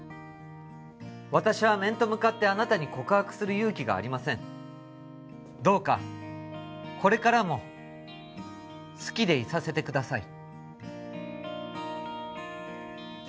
私は面と向かってあなたに告白する勇気がありませんどうかこれからも好きでいさせてください